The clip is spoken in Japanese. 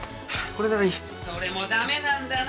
それも駄目なんだな。